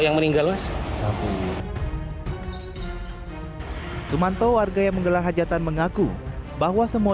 yang meninggal satu sumanto warga yang menggelar hajatan mengaku bahwa semua